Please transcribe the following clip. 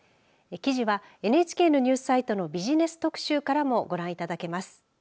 記事はＮＨＫのニュースサイトのビジネス特集からもご覧いただけます。